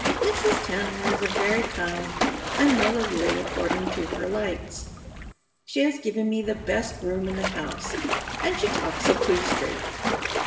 Mrs. Tanner is very kind and motherly according to her lights. She has given me the best room in the house, and she talks a blue streak.